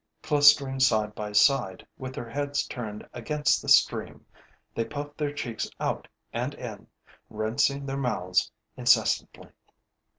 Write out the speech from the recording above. Clustering side by side, with their heads turned against the stream, they puff their cheeks out and in, rinsing their mouths incessantly.